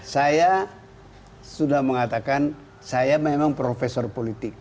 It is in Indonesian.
saya sudah mengatakan saya memang profesor politik